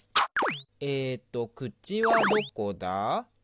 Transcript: えっと口はどこだ？